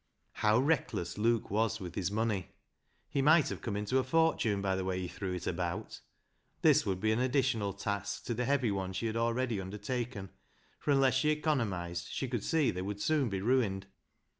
How reckless Luke was with his money ! He might have come into a fortune by the way he threw it about. This would be an additional task to the heavy one she had already undertaken, for unless she economised she could see they would soon be ruined.